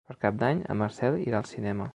Per Cap d'Any en Marcel irà al cinema.